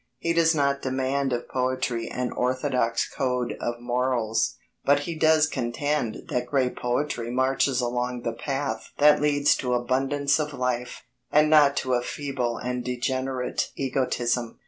He does not demand of poetry an orthodox code of morals, but he does contend that great poetry marches along the path that leads to abundance of life, and not to a feeble and degenerate egotism.